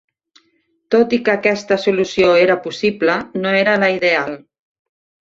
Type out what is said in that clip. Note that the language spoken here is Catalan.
Tot i que aquesta solució era possible, no era la ideal.